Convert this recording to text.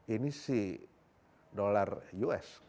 ini si dolar us